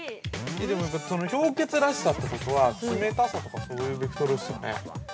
でも、氷穴らしさということは冷たさとかそういうベクトルですよね。